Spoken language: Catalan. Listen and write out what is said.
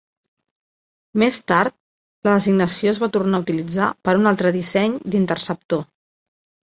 Més tard, la designació es va tornar a utilitzar per a un altre disseny d'interceptor.